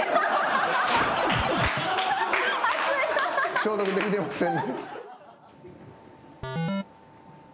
消毒できてません。